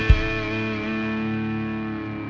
ya udah sempet